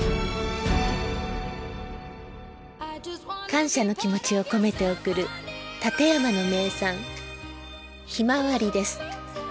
感謝の気持ちを込めて贈る館山の名産ひまわりです。